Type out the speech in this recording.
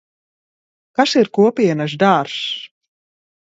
Kas ir kopienas dārzs?